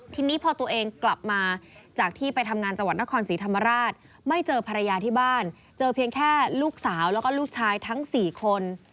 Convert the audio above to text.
ทีนี้พอตัวเองกลับมาจากที่ไปทำงานจังหวัดนครศรีธรรมราชไม่เจอภรรยาที่บ้านเจอเพียงแค่ลูกสาวแล้วก็ลูกชายทั้ง๔คน